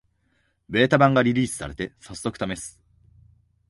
ベータ版がリリースされて、さっそくためす